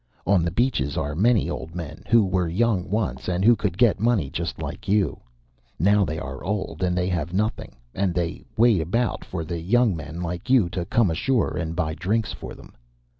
On the beaches are many old men who were young once, and who could get money just like you. Now they are old, and they have nothing, and they wait about for the young men like you to come ashore and buy drinks for them.